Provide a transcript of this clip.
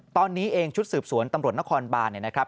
ตอนนี้เองชุดสืบสวนตำรวจนครบานเนี่ยนะครับ